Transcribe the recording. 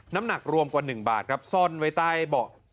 น้ำหนักรวมกว่า๑บาทครับซ่อนไว้ใต้เบาะ